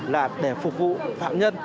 là để phục vụ phạm nhân